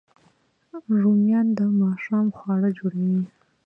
رومیان د ماښام خواړه جوړوي